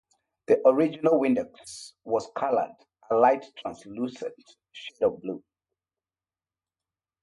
The original Windex was colored a light, translucent shade of blue.